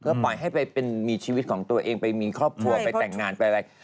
ก็ปล่อยให้ไปมีชีวิตของตัวเองไปมีครอบครัวไปแต่งงานไปอะไร